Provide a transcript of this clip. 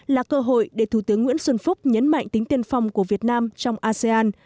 là cơ hội để thủ tướng nguyễn xuân phúc nhấn mạnh tính tiên phong của việt nam trong asean